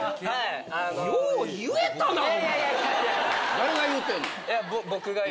誰が言うてんの？